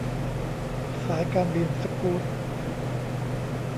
สายการบินสกู๊ต